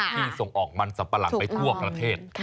ที่ส่งออกมันสัมปะหลังไปทั่วประเทศ